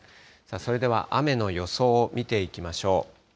それでは雨の予想を見ていきましょう。